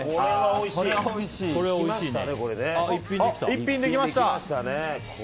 １品できましたね。